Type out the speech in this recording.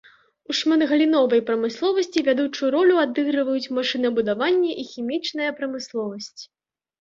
У шматгаліновай прамысловасці вядучую ролю адыгрываюць машынабудаванне і хімічная прамысловасць.